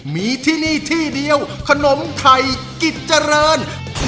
มีที่นี่ที่เดียวขนมไทยกิจเจริญ